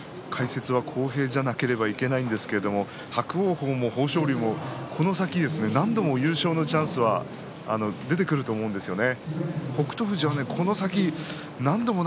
解説は公平じゃなきゃいけないんですが豊昇龍も伯桜鵬もこの先何度も優勝のチャンスが出てくると思うんですよね